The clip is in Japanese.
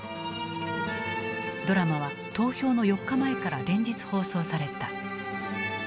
ドラマは投票の４日前から連日放送された。